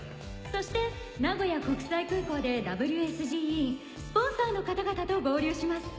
そして名古屋国際空港でＷＳＧ委員スポンサーの方々と合流します。